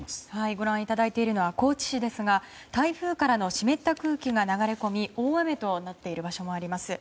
ご覧いただいているのは高知市ですが台風からの湿った空気が流れ込み大雨となっている場所もあります。